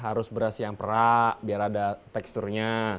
harus beras yang perak biar ada teksturnya